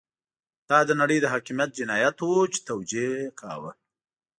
دا د نړۍ د حاکميت جنايت وو چې توجیه يې کاوه.